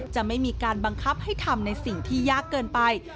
จะไม่มีการบังคับให้ทำในสิ่งที่ยากเกินไป